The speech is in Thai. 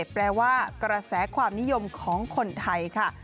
แปลว่ากระแสความนิยมของคนไทยค่ะ